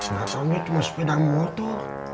masanya cuma sepeda motor